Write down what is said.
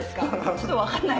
ちょっと分かんない。